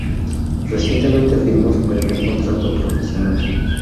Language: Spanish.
Recientemente firmó su primer contrato profesional.